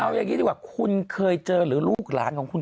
เอาอย่างนี้ดีกว่าคุณเคยเจอหรือลูกหลานของคุณ